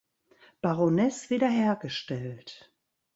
Baroness wiederhergestellt.